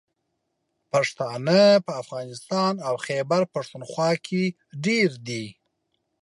پښتانه په افغانستان او خیبر پښتونخوا کې ډېر دي.